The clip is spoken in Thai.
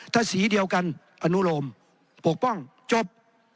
ถ้าสีเดียวกันอนุโลมปกป้องจบ